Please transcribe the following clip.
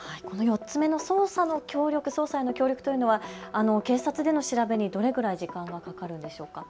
４つ目の捜査への協力というのは警察の調べにどれぐらい時間がかかるんでしょうか。